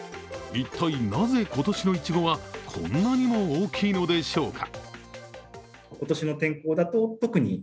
一体なぜ今年のいちごはこんなにも大きいのでしょうか。